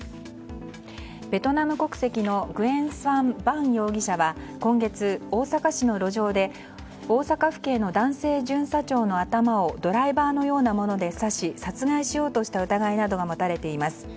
ベトナム国籍のグエン・スアン・バン容疑者は今月、大阪市の路上で大阪府警の男性巡査長の頭をドライバーのようなもので刺し殺害しようとした疑いなどが持たれています。